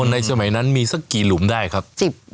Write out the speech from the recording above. ในสมัยนั้นมีสักกี่หลุมได้ครับ